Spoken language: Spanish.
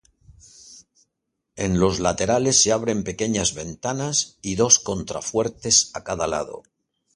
En los laterales se abren pequeñas ventanas y dos contrafuertes a cada lado.